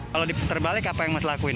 kalau diputar balik apa yang mas lakuin